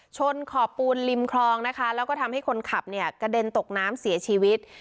ขอบปูนริมคลองนะคะแล้วก็ทำให้คนขับเนี่ยกระเด็นตกน้ำเสียชีวิต